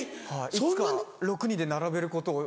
いつか６人で並べることを。